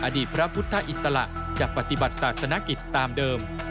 อดีตพระพุทธอิสระจะปฏิบัติศาสนกิจตามเดิม